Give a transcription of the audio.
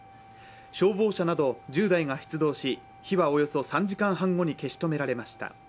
消防車など１０台が出動し火はおよそ３時間半後に消し止められました。